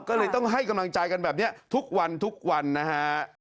ก็เลยต้องให้กำลังใจกันแบบนี้ทุกวันทุกวันนะฮะ